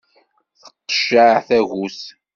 Tenqeccaɛ tagut.